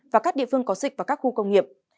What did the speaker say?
và các địa phương có dịch và các khu công nghiệp